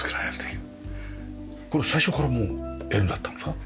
これ最初からもうＬだったんですか？